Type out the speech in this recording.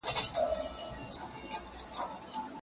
کله چې دا پسې ورتله نو زوی یې یوازې لاس ور پورته کړ.